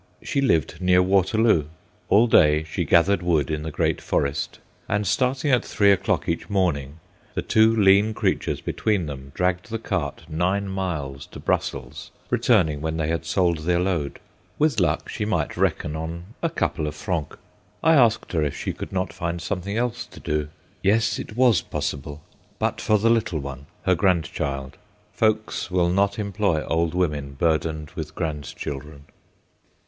She lived near Waterloo. All day she gathered wood in the great forest, and starting at three o'clock each morning, the two lean creatures between them dragged the cart nine miles to Brussels, returning when they had sold their load. With luck she might reckon on a couple of francs. I asked her if she could not find something else to do. Yes, it was possible, but for the little one, her grandchild. Folks will not employ old women burdened with grandchildren.